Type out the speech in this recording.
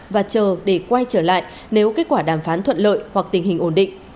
và chờ để quay trở lại nếu kết quả đàm phán thuận lợi hoặc tình hình ổn định